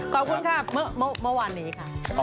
ขอบคุณค่ะเมื่อวานนี้ค่ะ